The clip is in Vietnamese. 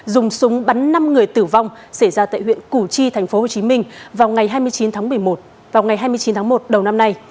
dùng súng bắn năm người tử vong xảy ra tại huyện củ chi tp hcm vào ngày hai mươi chín tháng một đầu năm nay